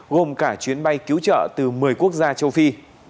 gồm cả chuyến bay cứu trợ từ một mươi quốc gia châu phi